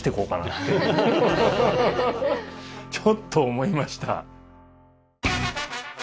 ちょっと思いました。